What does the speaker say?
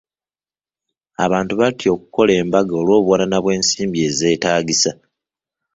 Abantu batya okukola embaga olw'obuwanana bw'ensimbi ezeeetaagisa.